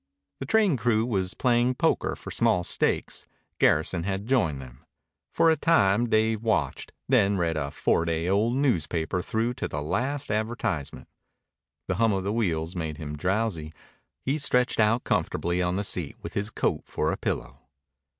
The train crew was playing poker for small stakes. Garrison had joined them. For a time Dave watched, then read a four day old newspaper through to the last advertisement. The hum of the wheels made him drowsy. He stretched out comfortably on the seat with his coat for a pillow.